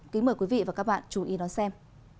kính mời quý vị và các bạn chú ý đón xem